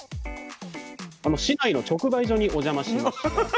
市内の直売所にお邪魔しました。